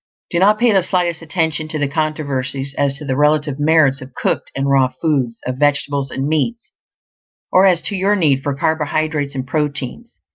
Do not pay the slightest attention to the controversies as to the relative merits of cooked and raw foods; of vegetables and meats; or as to your need for carbohydrates and proteins.